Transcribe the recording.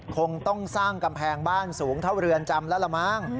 คงต้องสร้างกำแพงบ้านสูงเท่าเรือนจำแล้วละมั้ง